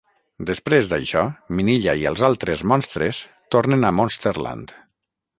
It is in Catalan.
Després d'això, Minilla i els altres monstres tornen a Monsterland.